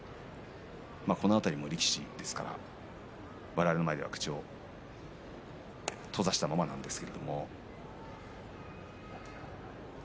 この辺りも力士ですから我々の前では口を閉ざしてままなんですね。